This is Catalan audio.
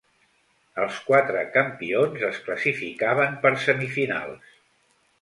Els quatre campions es classificaven per semifinals.